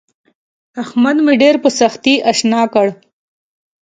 احمد مې ډېره په سختي اشنا کړ.